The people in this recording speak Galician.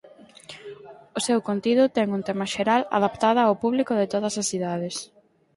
O seu contido ten un tema xeral adaptada ao público de todas as idades.